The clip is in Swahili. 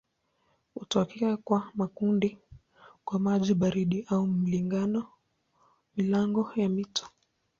Hutokea kwa makundi kwa maji baridi au milango ya mito.